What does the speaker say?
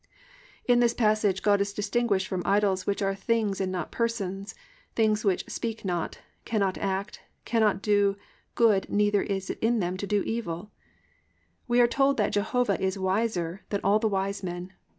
"+ In this passage God is distinguished from idols which are things and not persons, things which "speak not" "cannot act," "cannot do good neither is it in them to do evil"; and we are told that Jehovah is wiser than "all the wise men."